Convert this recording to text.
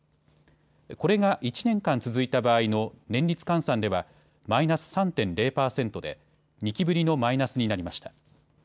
これが１年間続いた場合の年率換算ではマイナス３．０％で２期ぶりのマイナスになりました。